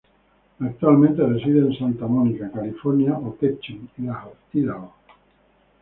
Actualmente reside en Santa Monica, California o Ketchum, Idaho.